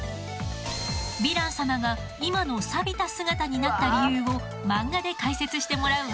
ヴィラン様が今のサビた姿になった理由を漫画で解説してもらうわ。